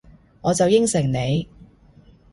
我就應承你